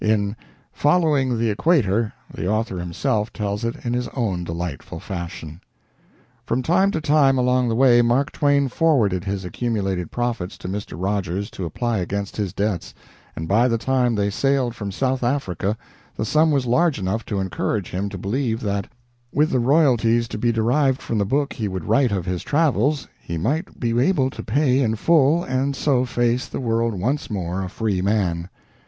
In "Following the Equator" the author himself tells it in his own delightful fashion. From time to time along the way Mark Twain forwarded his accumulated profits to Mr. Rogers to apply against his debts, and by the time they sailed from South Africa the sum was large enough to encourage him to believe that, with the royalties to be derived from the book he would write of his travels, he might be able to pay in full and so face the world once more a free man.